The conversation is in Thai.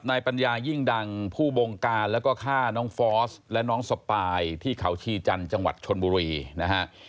ปัญญายิ่งดังผู้บงการแล้วก็ฆ่าน้องฟอสและน้องสปายที่เขาชีจันทร์จังหวัดชนบุรีนะฮะ